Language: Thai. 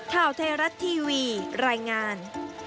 ข่าวไทยรัฐทีวีรายงาน